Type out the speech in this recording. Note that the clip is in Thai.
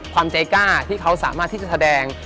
ใจกล้าที่เขาสามารถที่จะแสดง